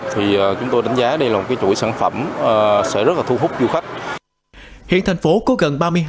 thì chúng tôi đánh giá đây là một chuỗi sản phẩm sẽ rất là thu hút du khách hiện thành phố có gần